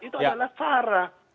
itu adalah sara